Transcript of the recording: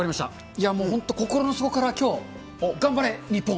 いやもう本当、心の底からきょう、頑張れ、日本。